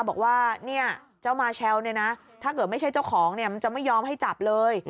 บอกว่าเนี่ยเจ้ามาแลลเนี่ยนะถ้าเกิดไม่ใช่เจ้าของเนี่ยมันจะไม่ยอมให้จับเลย